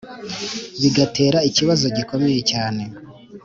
bigatera ikibazo gikomeye cyane